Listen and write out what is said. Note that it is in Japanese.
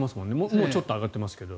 もう、ちょっと上がってますけど。